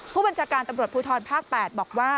ผู้บัญชาการตำรวจภูทรภาค๘บอกว่า